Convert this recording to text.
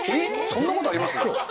そんなことあります？